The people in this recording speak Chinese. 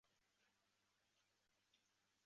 利用赤眼蜂防治甘蔗螟虫的研究取得成功。